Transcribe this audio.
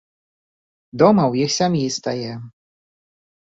Дома ў іх сям'і стае.